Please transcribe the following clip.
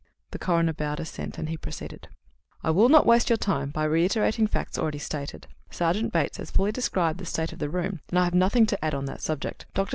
The coroner bowed assent, and he proceeded: "I will not waste your time by reiterating facts already stated. Sergeant Bates has fully described the state of the room, and I have nothing to add on that subject. Dr.